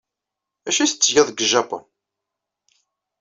D acu ay tettgeḍ deg Japun?